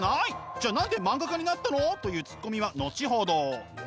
じゃあ何で漫画家になったの？というツッコミは後ほど。